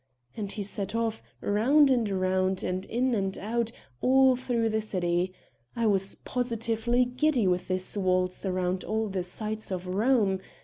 And he set off, round and round and in and out, all through the city. I was positively giddy with this waltz round all the sights of Rome.